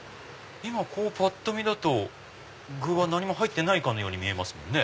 今ぱっと見だと具は何も入ってないかのように見えますね。